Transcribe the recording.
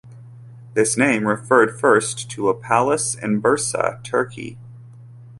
This name referred first to a palace in Bursa, Turkey.